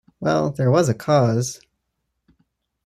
Well, there was cause.